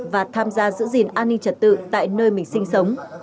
và tham gia giữ gìn an ninh trật tự tại nơi mình sinh sống